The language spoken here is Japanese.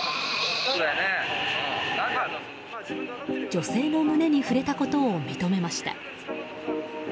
女性の胸に触れたことを認めました。